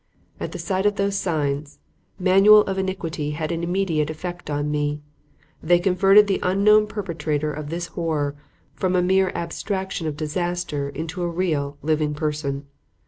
And the sight of those signs manual of iniquity had an immediate effect on me; they converted the unknown perpetrator of this horror from a mere abstraction of disaster into a real, living person.